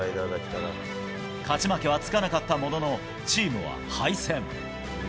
勝ち負けはつかなかったものの、チームは敗戦。